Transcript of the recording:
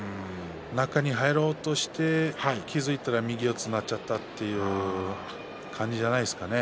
中に入ろうとして気付いたら右四つになっちゃったという感じじゃないですかね。